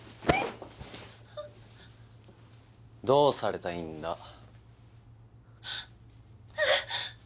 どうされたいんだ？